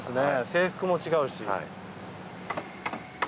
制服も違うし。